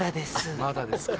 まだですか。